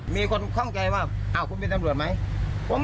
มีคนข้างใจว่าครับพี่ตำรวจไหม